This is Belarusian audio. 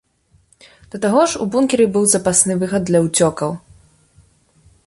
Да таго ж у бункеры быў запасны выхад для ўцёкаў.